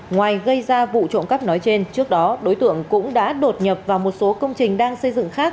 ngoài gây ra vụ trộm cắp nói trên trước đó đối tượng cũng đã đột nhập vào một số công trình đang xây dựng khác